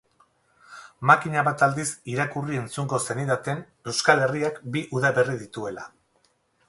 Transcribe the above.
Makina bat aldiz irakurri-entzungo zenidaten Euskal Herriak bi udaberri dituela.